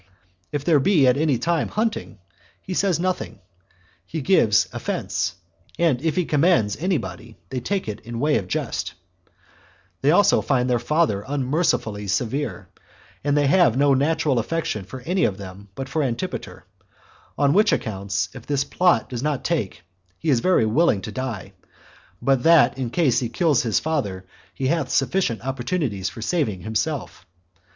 If they be at any time hunting, and he says nothing, he gives offense; and if he commends any body, they take it in way of jest. That they always find their father unmercifully severe, and have no natural affection for any of them but for Antipater; on which accounts, if this plot does not take, he is very willing to die; but that in case he kill his father, he hath sufficient opportunities for saving himself.